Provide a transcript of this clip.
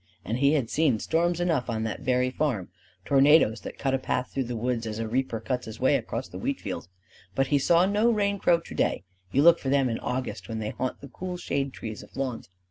And he had seen storms enough on that very farm tornadoes that cut a path through the woods as a reaper cuts his way across the wheat field. But he saw no rain crow to day; you look for them in August when they haunt the cool shade trees of lawns.